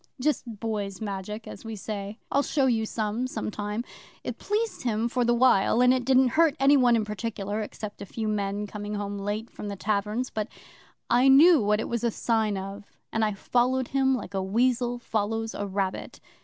'Just boy's Magic as we say. I'll show you some, some time. It pleased him for the while, and it didn't hurt any one in particular except a few men coming home late from the taverns. But I knew what it was a sign of, and I followed him like a weasel follows a rabbit.